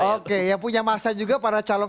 oke yang punya masa juga para calon